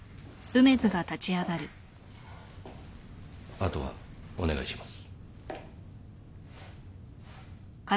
あとはお願いします。